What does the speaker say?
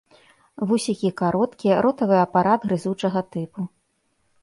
Вусікі кароткія, ротавы апарат грызучага тыпу.